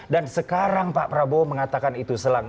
dan sekarang pak prabowo mengatakan itu selang